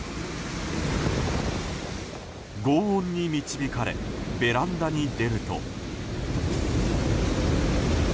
轟音に導かれベランダに出ると。